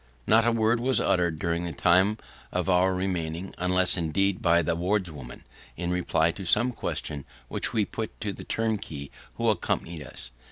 Not a word was uttered during the time of our remaining, unless, indeed, by the wardswoman in reply to some question which we put to the turnkey who accompanied us.